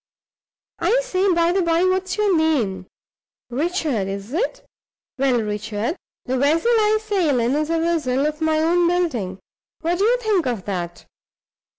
I say, by the by, what's your name? Richard, is it? Well, Richard, the vessel I sail in is a vessel of my own building! What do you think of that?